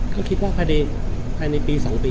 แต่คิดว่าอยากจะมีอยู่ในนี้หรอครับ